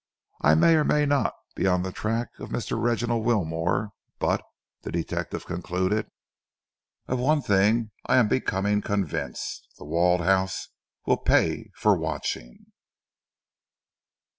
I may or may not be on the track of Mr. Reginald Wilmore, but," the detective concluded, "of one thing I am becoming convinced The Walled House will pay for watching."